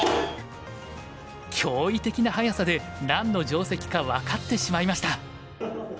驚異的な速さで何の定石か分かってしまいました。